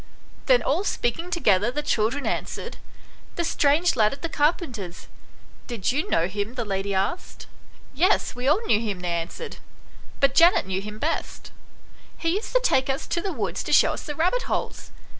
Then all speaking together the children answered " The strange lad at the carpenter's." " Did you know him ?" the lady asked. " Yes, we all knew him," they answered, " but Janet knew him best. He used to take us to the woods to show us the rabbit holes.